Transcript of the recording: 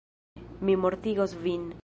Mi mortigos vin!